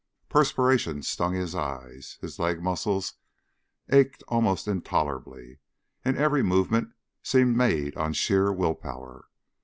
Perspiration stung his eyes, his leg muscles ached almost intolerably, and every movement seemed made on sheer will power.